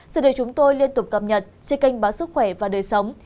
sẽ được chúng tôi liên tục cập nhật trên kênh báo sức khỏe và đời sống